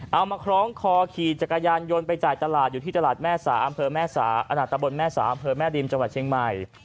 มาคล้องคอขี่จักรยานยนต์ไปจ่ายตลาดอยู่ที่ตลาดแม่สาอำเภอแม่ตะบนแม่สาอำเภอแม่ริมจังหวัดเชียงใหม่